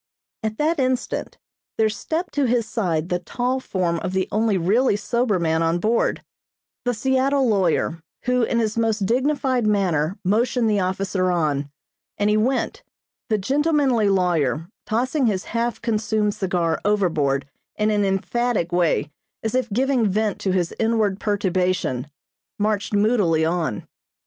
At that instant there stepped to his side the tall form of the only really sober man on board the Seattle lawyer, who, in his most dignified manner motioned the officer on, and he went; the gentlemanly lawyer, tossing his half consumed cigar overboard in an emphatic way as if giving vent to his inward perturbation, marched moodily on.